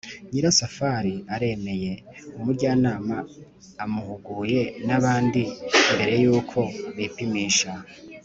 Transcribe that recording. nyirasafari aremeye. umujyanama amuhuguye n’abandi mbere yuko bipimisha.